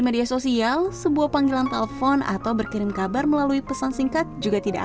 media sosial sebuah panggilan telepon atau berkirim kabar melalui pesan singkat juga tidak